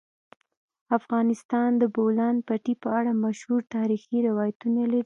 افغانستان د د بولان پټي په اړه مشهور تاریخی روایتونه لري.